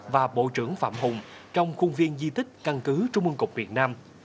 và bộ trưởng phạm hùng trong khuôn viên di tích căn cứ trung ương cục miền nam